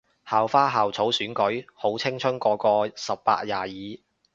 校花校草選舉？好青春個個十八廿二